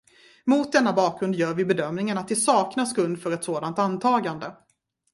Mot denna bakgrund gör vi bedömningen att det saknas grund för ett sådant antagande.